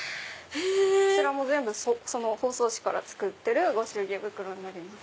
そちらも全部その包装紙から作ってるご祝儀袋になります。